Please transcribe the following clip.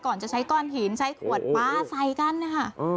ก่อนจะใช้ก้อนหินใช้ขวดปลาใส่กันนะคะ